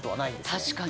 確かに。